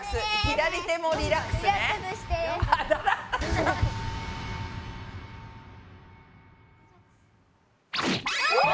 左手もリラックスね。